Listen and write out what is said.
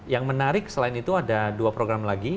yang menarik selain itu ada dua program lagi